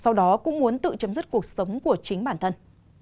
sau đó cũng muốn tự chấm dứt cuộc sống của chính bản thân